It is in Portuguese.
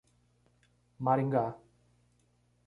Maringá